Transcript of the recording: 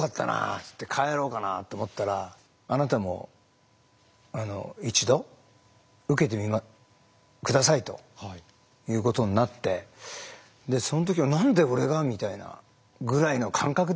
っつって帰ろうかなと思ったら「あなたも一度受けて下さい」ということになってその時は「何で俺が」みたいなぐらいの感覚でしたね。